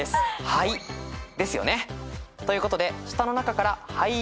「はい」ですよね。ということで下の中から灰色